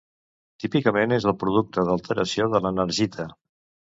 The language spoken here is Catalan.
Típicament és el producte d'alteració de l'enargita.